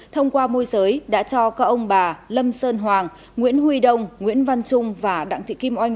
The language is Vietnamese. thông qua môi giới đã cho các ông bà lâm sơn hoàng nguyễn huy đông nguyễn văn trung và đặng thị kim oanh